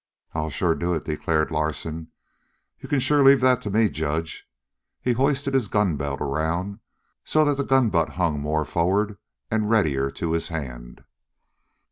"I'll sure do it," declared Larsen. "You can sure leave that to me, judge." He hoisted his gun belt around so that the gun butt hung more forward and readier to his hand.